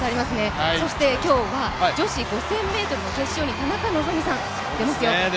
今日は女子５０００ｍの決勝に田中希実さん、出ます。